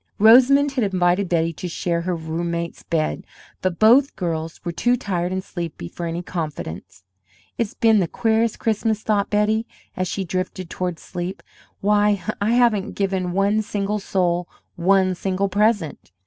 Rosamond had invited Betty to share her roommate's bed, but both girls were too tired and sleepy for any confidence. "It's been the queerest Christmas!" thought Betty, as she drifted toward sleep. "Why, I haven't given one single soul one single present!"